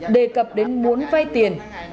đề cập đến muốn vay tiền